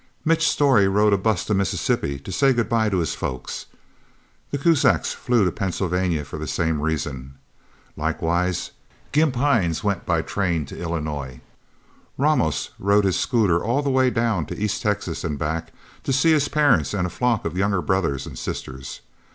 Mitch Storey rode a bus to Mississippi, to say goodbye to his folks. The Kuzaks flew to Pennsylvania for the same reason. Likewise, Gimp Hines went by train to Illinois. Ramos rode his scooter all the way down to East Texas and back, to see his parents and a flock of younger brothers and sisters.